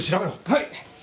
はい！